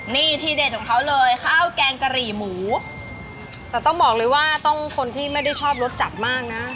นี่ที่เด็ดของเขาเลยข้าวแกงกะหรี่หมูแต่ต้องบอกเลยว่าต้องคนที่ไม่ได้ชอบรสจัดมากนะ